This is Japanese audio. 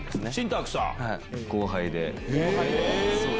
後輩で。